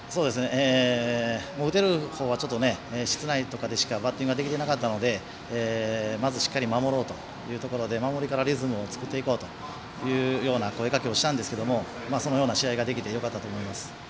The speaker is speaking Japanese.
打てるほうが室内とかでしかバッティングはできていなかったのでまずしっかり守ろうということで守りからリズムを作っていこうという声かけをしたんですがそのような試合ができてよかったと思います。